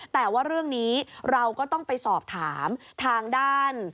แต่ว่าเรื่องนี้เราก็ต้องไปสอบถามทางด้าน